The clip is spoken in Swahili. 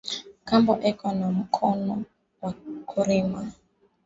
Nkambo eko na mukono ya ku rima